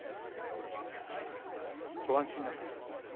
ご安心なさい。